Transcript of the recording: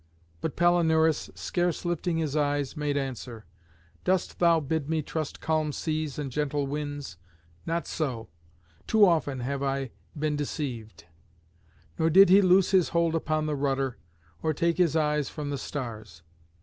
But Palinurus, scarce lifting his eyes, made answer: "Dost thou bid me trust calm seas and gentle winds? Not so. Too often have I been deceived." Nor did he loose his hold upon the rudder, or take his eyes from the stars.